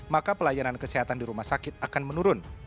maka pelayanan kesehatan di rumah sakit akan menurun